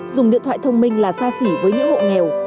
dùng điện thoại thông minh là xa xỉ với những hộ nghèo